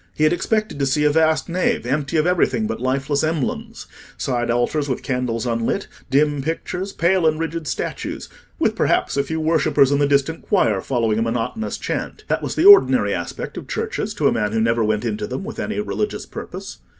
He had expected to see a vast nave empty of everything but lifeless emblems—side altars with candles unlit, dim pictures, pale and rigid statues—with perhaps a few worshippers in the distant choir following a monotonous chant. That was the ordinary aspect of churches to a man who never went into them with any religious purpose.